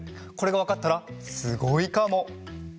これがわかったらすごいかも！